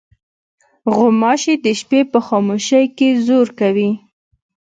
غوماشې د شپې په خاموشۍ کې زور کوي.